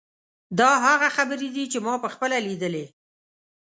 دا هغه خبرې دي چې ما په خپله لیدلې.